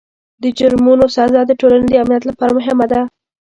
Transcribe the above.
د جرمونو سزا د ټولنې د امنیت لپاره مهمه ده.